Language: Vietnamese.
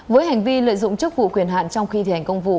với hành vi lợi dụng chức vụ quyền hạn trong khi thi hành công vụ